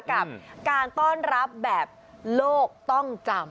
กับการต้อนรับแบบโลกต้องจำ